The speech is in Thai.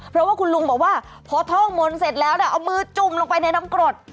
เพราะว่าคุณลุงบอกว่าพอท่องมนต์เสร็จแล้วเอามือจุ่มลงไปในน้ำกรด